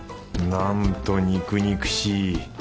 なんと肉々しい。